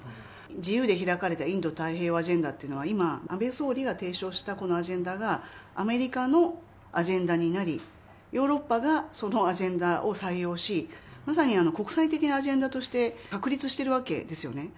自由で開かれたインド太平洋アジェンダっていうのは、今、安倍総理が提唱したこのアジェンダが、アメリカのアジェンダになり、ヨーロッパがそのアジェンダを採用し、まさに国際的なアジェンダとして確立しているわけですよね。